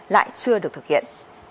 lại chưa được thực hiện